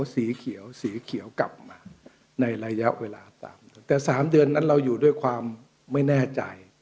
สีเขียวสีเขียวกลับมาในระยะเวลาต่ำแต่๓เดือนนั้นเราอยู่ด้วยความไม่แน่ใจ